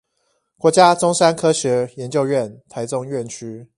國家中山科學研究院臺中院區